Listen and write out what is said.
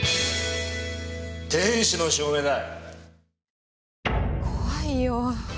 天使の証明だ。